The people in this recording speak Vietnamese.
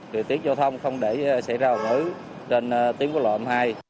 điều tiết giao thông không để xảy ra hồi nữ trên tiếng quốc lộ m hai